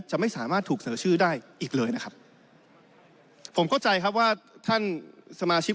จะไม่สามารถถูกเสนอชื่อได้อีกเลยนะครับผมเข้าใจครับว่าท่านสมาชิก